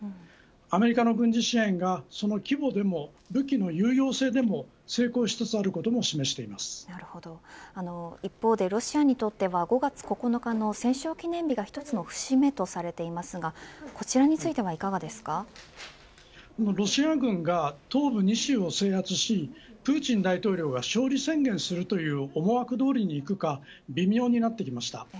アメリカの軍事支援がその規模でも、武器の有用性でも成功しつつあることも一方でロシアにとっては５月９日の戦勝記念日が一つの節目とされていますがロシア軍が東部２州を制圧しプーチン大統領が勝利宣言するという思惑通りにいくか微妙になってきました。